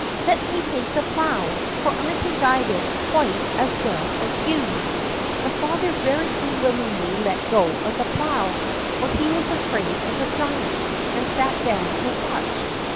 "Let me take the plow, for I can guide it quite as well as you." The father very unwillingly let go of the plow, for he was afraid of the giant, and sat down to watch.